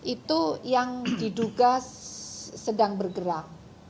itu yang diduga sedang bergerak